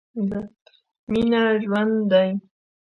مينه ژوند ده.